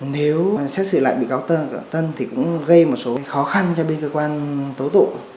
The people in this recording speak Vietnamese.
nếu mà xét xử lại bị cáo tân thì cũng gây một số khó khăn cho bên cơ quan tố tụ